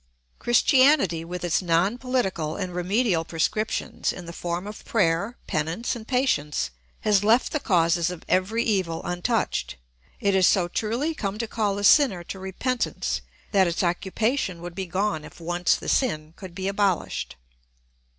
Christianity, with its non political and remedial prescriptions, in the form of prayer, penance, and patience, has left the causes of every evil untouched. It has so truly come to call the sinner to repentance that its occupation would be gone if once the sin could be abolished.